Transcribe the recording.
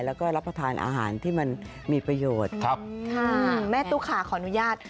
แล้วก็รับประทานอาหารที่มันมีประโยชน์ครับค่ะแม่ตุ๊กค่ะขออนุญาต